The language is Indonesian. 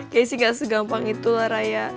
kayanya sih ga segampang itulah raya